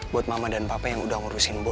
buat mama dan papa yang udah ngurusin